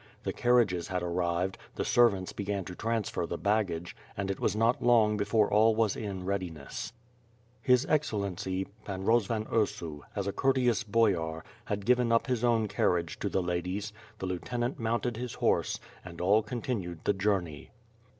The carriages had arrived, the servants began to transfer the baggage, and it was not long before all was in readiness. 44 ^iTH FIRE AND SWORD. His Excellency, Pan Rozvan Ursu, as a courteous Boyar, had given up his own carriage to the ladies, the lieutenant mounted his horse, and all continued the journey.